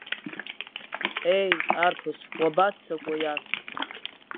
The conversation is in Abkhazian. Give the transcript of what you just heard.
Еи, арԥыс, уабаццакуеи ас?